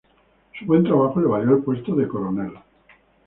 Su buen trabajo le valió el puesto de coronel.